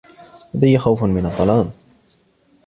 لدي خوف من الظلام.